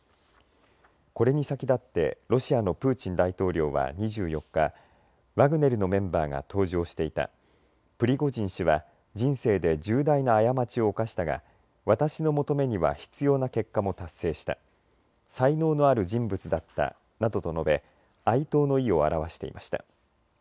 これに先立ってロシアのプーチン大統領は２４日ワグネルのメンバーが搭乗していたプリゴジン氏は人生で重大な過ちを犯したが私の求めには必要な結果も達成した才能のある人物だったなどと述べ哀悼の意を表していました。